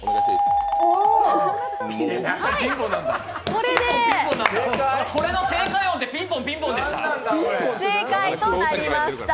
これの正解音ってピンポンピンポンでした？